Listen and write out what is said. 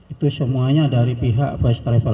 itu semuanya dari pihak first travel